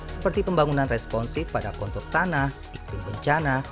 seperti pembangunan responsif pada kontur tanah iklim bencana